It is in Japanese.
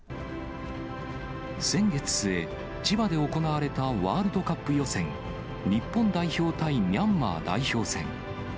先月末、千葉で行われたワールドカップ予選、日本代表対ミャンマー代表戦。